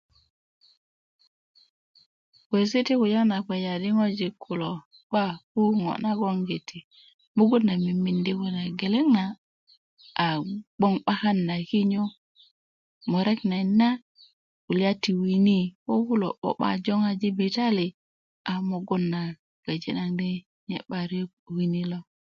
kuwesi ti kulya na kweji di ŋojik kulo 'ba pu ŋo nagon giti mugun na mimiindi kune geleŋ na a gbong 'bakan na kinyo murek nayit na kulya ti wini ko kulo joŋo jibitali a mugun na kweji naŋ di mugun na wini lo